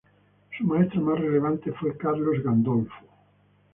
Su maestro más relevante fue Carlos Gandolfo.